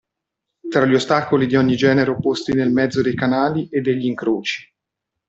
Tra gli ostacoli di ogni genere opposti nel mezzo dei canali e degli incroci.